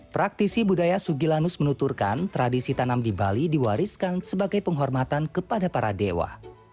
praktisi budaya sugilanus menuturkan tradisi tanam di bali diwariskan sebagai penghormatan kepada para dewa